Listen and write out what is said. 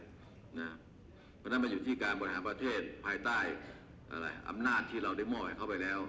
เพราะฉะนั้นมันอยู่ที่การบริหารประเทศภายใต้อำนาจที่เราได้มอบให้เขาไปแล้ว